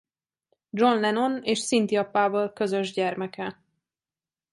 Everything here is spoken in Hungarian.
John Lennon és Cynthia Powell közös gyermeke.